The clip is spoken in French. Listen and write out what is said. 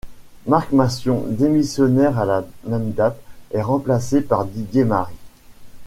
Marc Massion, démissionnaire à la même date, est remplacé par Didier Marie.